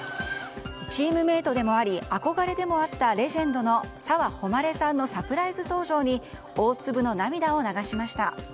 チームメートでもあり憧れでもあったレジェンドの澤穂希さんのサプライズ登場に大粒の涙を流しました。